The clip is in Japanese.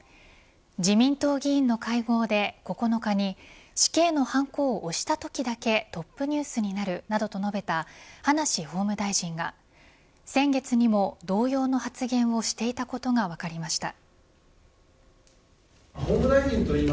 自民党議員の会合で９日に死刑のハンコを押したときだけトップニュースになるなどと述べた葉梨法務大臣が先月にも同様の発言をしていたことが分かりました。